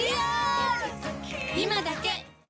今だけ！